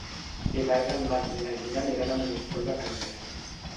Dimarts en Max i na Gina aniran a Monistrol de Calders.